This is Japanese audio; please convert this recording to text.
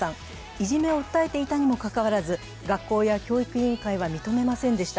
いじめを訴えていたにもかかわらず、学校や教育委員会は認め間千でした。